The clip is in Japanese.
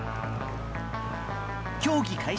競技開始